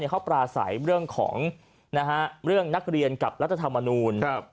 เขาปราศัยเรื่องของเรื่องนักเรียนกับรัฐธรรมนูล